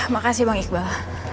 makasih bang iqbal